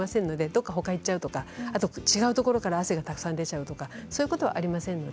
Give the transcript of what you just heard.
どこかほかにいっちゃうとか違うところから汗がたくさん出るってことはありません。